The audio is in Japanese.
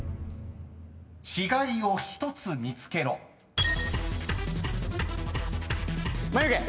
［違いを１つ見つけろ］眉毛！